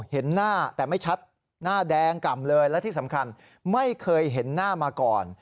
เห็นหน้าแต่ไม่ชัดหน้าแดงกล่ำเลยและที่สำคัญไม่เคยเห็นหน้ามาก่อน